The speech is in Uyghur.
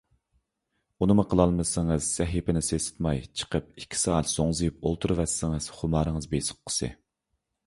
ئۇنىمۇ قىلالمىسىڭىز سەھىپىنى سېسىتماي چىقىپ ئىككى سائەت زوڭزىيىپ ئولتۇرۇۋەتسىڭىز خۇمارىڭىز بېسىققۇسى.